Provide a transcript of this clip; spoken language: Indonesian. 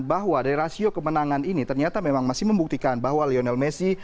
bahwa dari rasio kemenangan ini ternyata memang masih membuktikan bahwa lionel messi